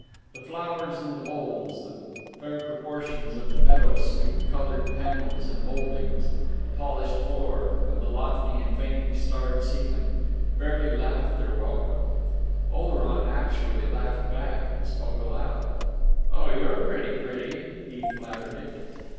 The flowers in the bowls, the fair proportions of the meadowsweet coloured panels and mouldings, the polished floor, and the lofty and faintly starred ceiling, fairly laughed their welcome. Oleron actually laughed back, and spoke aloud. "Oh, you're pretty, pretty!" he flattered it.